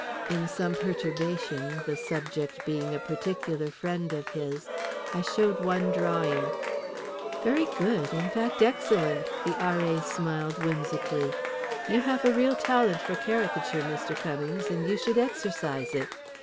In some perturbation (the subject being a particular friend of his) I showed one drawing. "Very good, in fact, excellent," the R.A. smiled whimsically. "You have a real talent for caricature, Mr. Cummings, and you should exercise it.